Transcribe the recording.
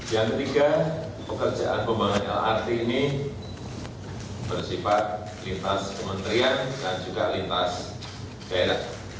yang ketiga pekerjaan pembangunan lrt ini bersifat lintas kementerian dan juga lintas daerah